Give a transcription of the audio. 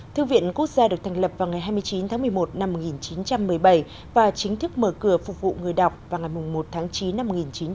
thư viện quốc gia được thành lập vào ngày hai mươi chín tháng một mươi một năm một nghìn chín trăm một mươi bảy và chính thức mở cửa phục vụ người đọc vào ngày một tháng chín năm một nghìn chín trăm bảy mươi